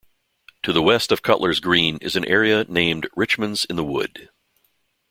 To the West of Cutler's Green is an area named 'Richmond's in the Wood'.